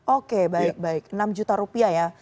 oke baik baik enam juta rupiah ya